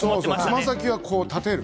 つま先は立てる。